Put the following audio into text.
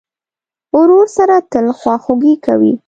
ورور سره تل خواخوږي کوې.